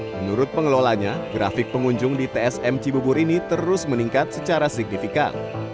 menurut pengelolanya grafik pengunjung di tsm cibubur ini terus meningkat secara signifikan